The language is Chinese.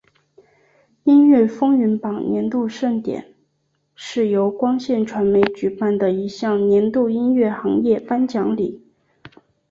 音乐风云榜年度盛典是由光线传媒举办的一项年度音乐行业颁奖礼。